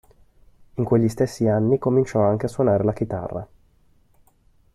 In quegli stessi anni cominciò anche a suonare la chitarra.